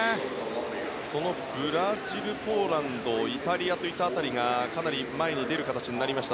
そのブラジル、ポーランドイタリアといった辺りがかなり前に出る形になりました。